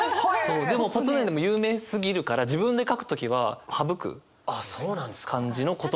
でも「ぽつねん」って有名すぎるから自分で書く時は省く感じの言葉。